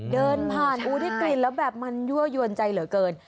เดินผ่านได้กลิ่นแล้วแบบมันยั่วยวนใจเหลือเกิน